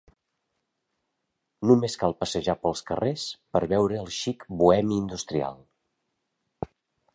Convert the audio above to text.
Només cal passejar pels carrers per veure el chic bohemi industrial.